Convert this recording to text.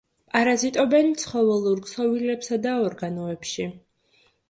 პარაზიტობენ ცხოველურ ქსოვილებსა და ორგანოებში.